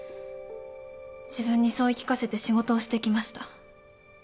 自分にそう言い聞かせて仕事をしてきました。